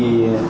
nó gây ra